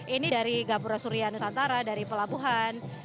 ini dari gapura surya nusantara dari pelabuhan